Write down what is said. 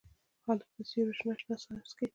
هلک د سیورو شنه، شنه څاڅکي